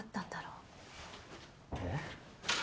えっ？